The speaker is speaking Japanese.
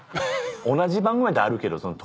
同じ番組やったらあるけど。